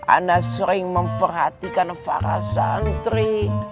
anda sering memperhatikan para santri